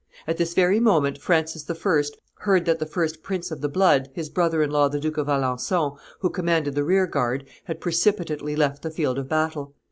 At this very moment Francis I. heard that the first prince of the blood, his brother in law the Duke of Alencon, who commanded the rear guard, had precipitately left the field of battle.